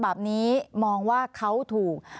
สวัสดีค่ะคุณผู้ชมค่ะสิ่งที่คาดว่าอาจจะเกิดขึ้นแล้วนะคะ